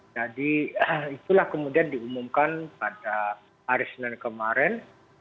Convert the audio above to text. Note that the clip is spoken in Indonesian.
jadi itulah kemudian diumumkan pada hari senin kemarin